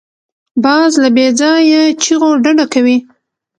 باز له بېځایه چیغو ډډه کوي